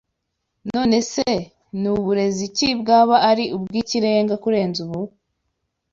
None se ni burezi ki bwaba ari ubw’ikirenga kurenze ubu?